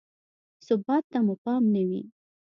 ثبات ته مو پام نه وي.